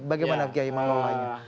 bagaimana kiai malolah